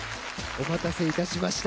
お待たせいたしました。